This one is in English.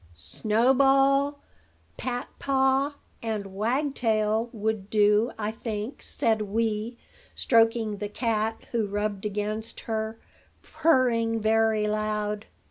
"Snowball, Patpaw, and Wagtail would do, I think," said Wee, stroking the cat, who rubbed against her, purring very loud.